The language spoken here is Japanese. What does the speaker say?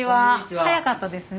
早かったですね。